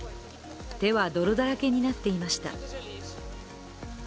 手は泥だらけになっていました。